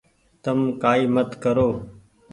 تم ڪآئي مت ڪرو ۔